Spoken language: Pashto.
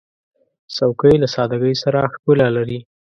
چوکۍ له سادګۍ سره ښکلا لري.